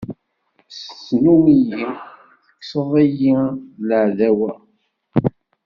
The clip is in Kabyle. Snum-iyi, tekkseḍ-iyi, d laɛdawa.